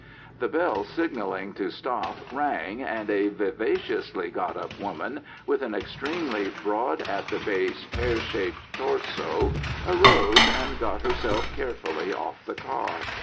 The bell signalling to stop rang, and a vivaciously got up woman with an extremely broad at the base, pear shaped torse, arose and got herself carefully off the car.